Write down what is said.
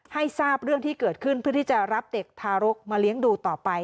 ให้ทราบเรื่องที่เกิดขึ้นเพื่อที่จะรับเด็กทารกมาเลี้ยงดูต่อไป